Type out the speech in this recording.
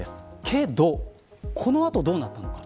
けど、この後どうなったのか。